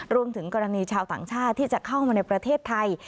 รวมถึงกรณีชาวต่างชาติที่จะเข้ามาในประเทศไทย